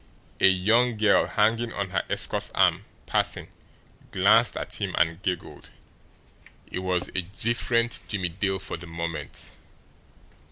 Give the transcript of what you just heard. A young girl hanging on her escort's arm, passing, glanced at him and giggled. It was a different Jimmie Dale for the moment.